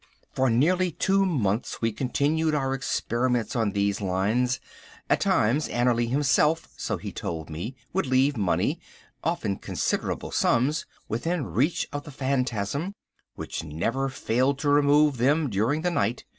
For nearly two months we continued our experiments on these lines. At times Annerly himself, so he told me, would leave money, often considerable sums, within reach of the phantasm, which never failed to remove them during the night.